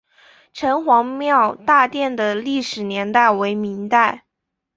城隍庙大殿的历史年代为明代。